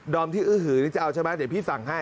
อมที่อื้อหือนี่จะเอาใช่ไหมเดี๋ยวพี่สั่งให้